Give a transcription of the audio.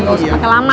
gak usah pake lama